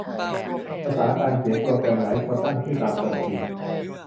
ภาษาการเขียนโปรแกรมหลายคนตั้งชื่อตามคนจริง